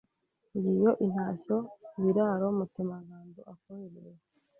Ngiyo intashyo Biraro Mutemangando akoherereje